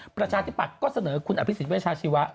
ประชาธิปาศก็สเนอคุณอพิศิเวชาชีวะ